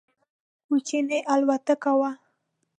کوچنۍ الوتکه وه.